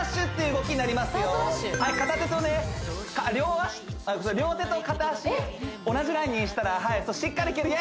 両脚両手と片脚同じラインにしたらはいしっかり蹴る！